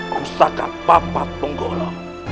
kusaka bapak tunggolo